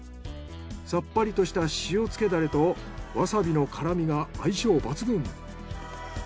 さっぱりとした塩つけダレとわさびの辛味が相性抜群。